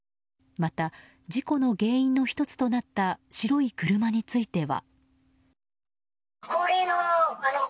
また事故の原因の１つとなった白い車については。